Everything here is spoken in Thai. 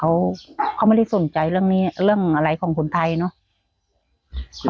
เขาเขาไม่ได้สนใจเรื่องนี้เรื่องอะไรของคนไทยเนอะ